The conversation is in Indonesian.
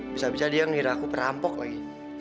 bisa bisa dia ngira aku perampok lagi